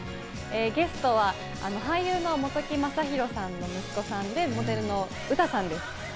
ゲストは俳優の本木雅弘さんの息子さんでモデルのＵＴＡさんです。